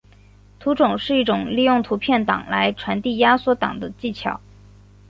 图种是一种利用图片档来传递压缩档的技巧。